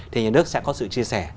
thì nhà nước sẽ có sự chia sẻ